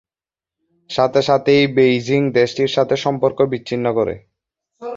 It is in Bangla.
সাথে সাথেই বেইজিং দেশটির সাথে সম্পর্ক বিচ্ছিন্ন করে।